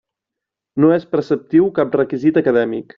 No és preceptiu cap requisit acadèmic.